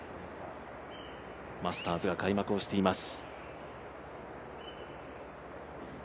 マスターズが開幕をしています。